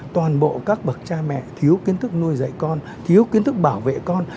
toàn bộ các bậc cha mẹ thiếu kiến thức nuôi dạy con thiếu kiến thức bảo vệ con